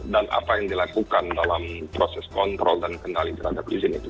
apa yang dilakukan dalam proses kontrol dan kendali terhadap izin itu